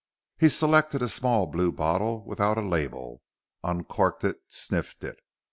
He selected a small blue bottle without a label, uncorked it, sniffed it.